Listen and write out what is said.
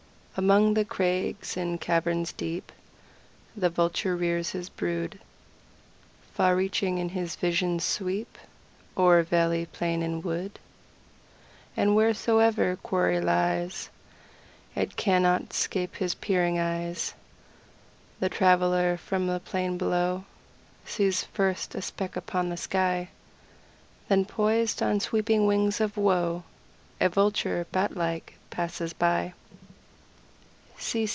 Among the crags, in caverns deep, The Vulture rears his brood; Far reaching is his vision's sweep O'er valley, plain, and wood; And wheresoe'er the quarry lies, It cannot 'scape his peering eyes. The traveler, from the plain below, Sees first a speck upon the sky Then, poised on sweeping wings of woe, A Vulture, Bat like, passes by.